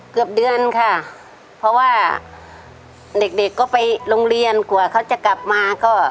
เกือบเดือนค่ะเพราะว่าเด็กเด็กก็ไปโรงเรียนกว่าเขาจะกลับมาก็